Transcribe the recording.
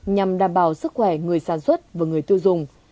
nhằm đảm bảo sức khỏe người sản xuất và người tiêu dùng